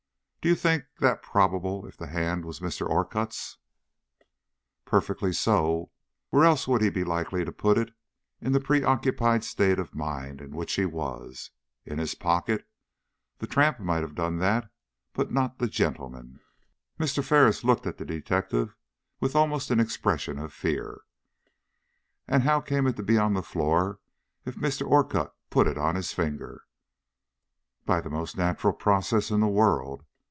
"Do you think that probable if the hand was Mr. Orcutt's?" "Perfectly so. Where else would he be likely to put it in the preoccupied state of mind in which he was? In his pocket? The tramp might have done that, but not the gentleman." Mr. Ferris looked at the detective with almost an expression of fear. "And how came it to be on the floor if Mr. Orcutt put it on his finger?" "By the most natural process in the world.